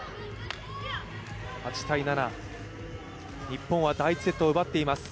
日本は第１セットを奪っています。